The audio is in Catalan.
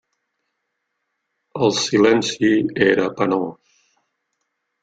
El silenci era penós.